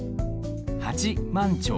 八幡町。